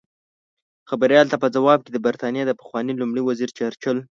خبریال ته په ځواب کې د بریتانیا د پخواني لومړي وزیر چرچل